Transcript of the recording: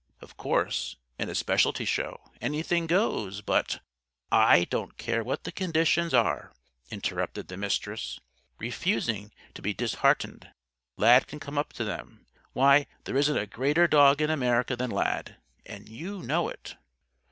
Of course, in a Specialty Show, anything goes. But " "I don't care what the conditions are," interrupted the Mistress, refusing to be disheartened. "Lad can come up to them. Why, there isn't a greater dog in America than Lad. And you know it."